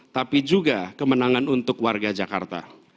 tapi juga kemenangan untuk warga jakarta